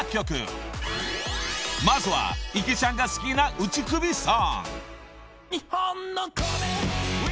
［まずは池ちゃんが好きな打首ソング］